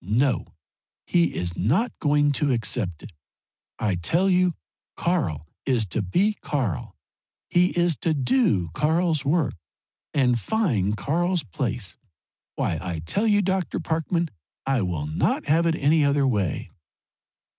No he is not going to accept it! I tell you Karl is to be Karl he is to do Karl's work and find Karl's place. Why I tell you, Dr. Parkman, I will not have it any other way!"